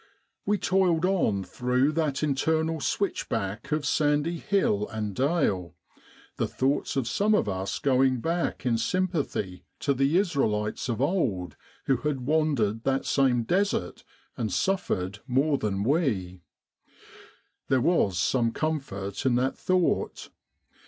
..We toiled on through that eternal switchback of sandy hill and dale, the thoughts of some of us going back in sym pathy to the Israelites of old who had wandered that same Desert and suffered more than we. There was some comfort in that thought.